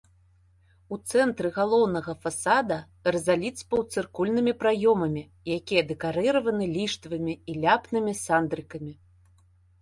У цэнтры галоўнага фасада рызаліт з паўцыркульнымі праёмамі, якія дэкарыраваны ліштвамі і ляпнымі сандрыкамі.